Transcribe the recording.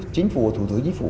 chính phủ và thủ tướng chính phủ